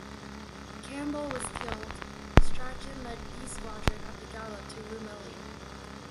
Campbell was killed, Strachen led 'B' Squadron at the gallop to Rumilly.